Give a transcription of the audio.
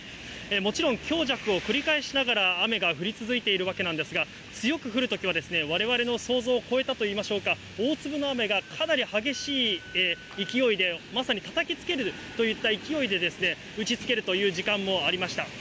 もちろん強弱を繰り返しながら雨が降り続いているわけなんですが、強く降るときはわれわれの想像を超えたといいましょうか、大粒の雨がかなり激しい勢いで、まさにたたきつけるといった勢いで打ちつけるという時間もありました。